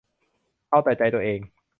เอาแต่ใจตัวเอง